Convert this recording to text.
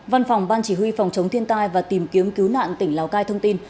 văn phòng ban chỉ huy phòng chống thiên tai và tìm kiếm cứu nạn tỉnh lào cai thông tin